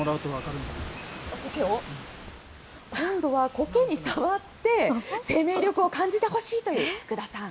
コケに触って、生命力を感じてほしいという福田さん。